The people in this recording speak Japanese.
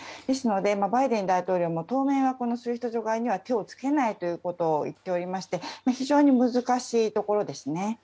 ですので、バイデン大統領も当面はＳＷＩＦＴ除外には手を付けないということを言っておりまして非常に難しいところですね。